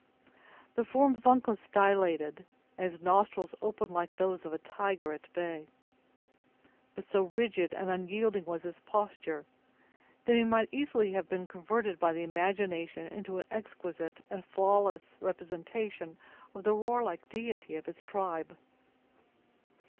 The form of Uncas dilated, and his nostrils opened like those of a tiger at bay; but so rigid and unyielding was his posture, that he might easily have been converted by the imagination into an exquisite and faultless representation of the warlike deity of his tribe.